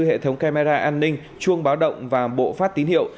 hệ thống camera an ninh chuông báo động và bộ phát tín hiệu